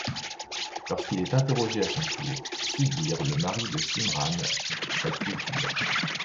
Lorsqu'il est interrogé à son tour, Sudhir, le mari de Simran, s'accuse du meurtre.